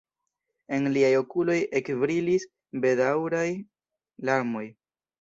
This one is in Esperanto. En liaj okuloj ekbrilis bedaŭraj larmoj.